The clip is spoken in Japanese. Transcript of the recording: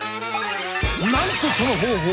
なんとその方法